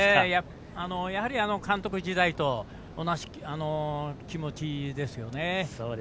やはり、監督時代と同じ気持ちですよね。